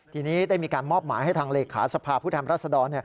ทีนี้ได้มีการมอบหมายให้ทางเหลขาสภาพุทธธรรมรัฐสดร